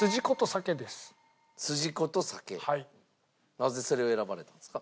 なぜそれを選ばれたんですか？